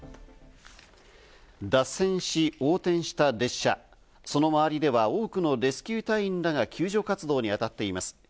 脱線し横転した列車、その周りでは多くのレスキュー隊員らが救助活動に当たっています。